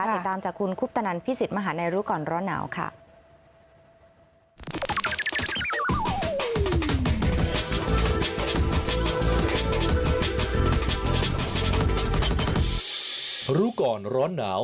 ติดตามจากคุณคุปตนันพิสิทธิ์มหาในรู้ก่อนร้อนหนาวค่ะ